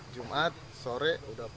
jumat sore udah